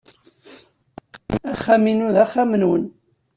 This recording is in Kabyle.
Axxam-inu d axxam-nwen.